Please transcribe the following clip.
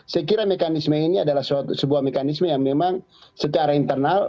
saya kira mekanisme ini adalah sebuah mekanisme yang memang secara internal